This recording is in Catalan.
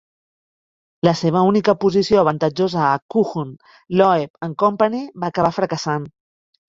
La seva única posició avantatjosa a Kuhn, Loeb and Co. va acabar fracassant.